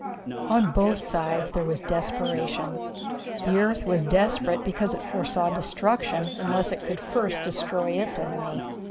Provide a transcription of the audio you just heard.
On both sides there was desperation. The earth was desperate because it foresaw destruction unless it could first destroy its enemy.